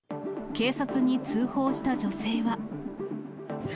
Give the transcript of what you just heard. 警察に通報した女性は。